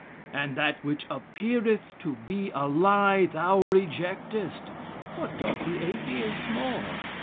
And that which appeareth to be a lie thou rejectest; what does the Atheist more?